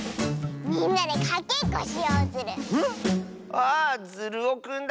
あズルオくんだ。